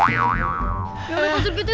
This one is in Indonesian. ya pak serigiti